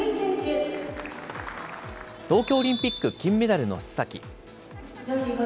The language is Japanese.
東京オリンピック金メダルの須崎。